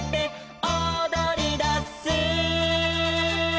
「おどりだす」